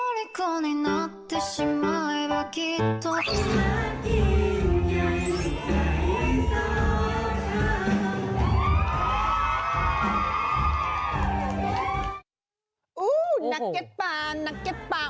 โอ้โฮนักเก็บปลานักเก็บปลามารับตลาด